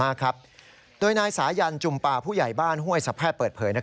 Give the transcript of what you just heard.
เมื่อนายสายันจุมป่าผู้ใหญ่บ้านห้วยสัพแพร่เปิดเผย